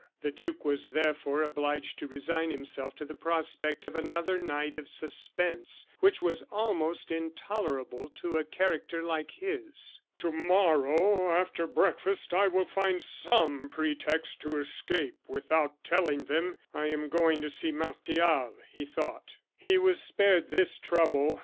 The duke was therefore obliged to resign himself to the prospect of another night of suspense, which was almost intolerable to a character like his. "To morrow, after breakfast, I will find some pretext to escape, without telling them I am going to see Martial," he thought. He was spared this trouble.